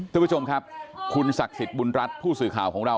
ทุกผู้ชมครับคุณศักดิ์สิทธิ์บุญรัฐผู้สื่อข่าวของเรา